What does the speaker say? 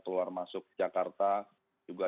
keluar masuk jakarta juga